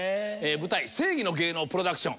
舞台『正偽の芸能プロダクション』。